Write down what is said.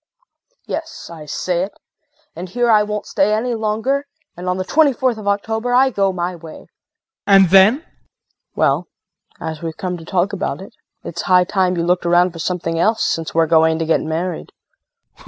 Yes, I say it and here I won't stay any longer and on the twenty fourth of October I go my way. JEAN. And then? KRISTIN. Well, as we've come to talk about it, it's high time you looked around for something else, since we're going to get married.